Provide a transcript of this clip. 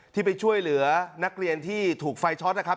ที่ไปช่วยเหลือนักเรียนที่ถูกไฟช็อตนะครับ